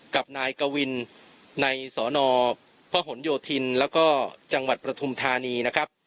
กับนายกวินในสนพหนโยธินแล้วก็จังหวัดปฐุมธานีนะครับ